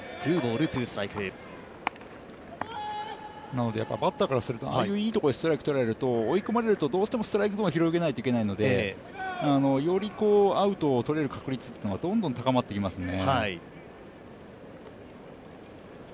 なのでバッターからするとああいういいところでストライクとられると追い込まれると、どうしてもストライクゾーンを広げないといけないのでよりアウトを取れる確率というのが、どんどん高まっていきますね。